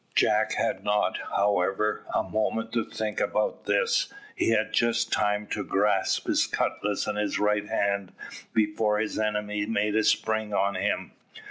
Jack had not, however, a moment to think about this; he had just time to grasp his cutlass in his right hand, before his enemy made a spring on him.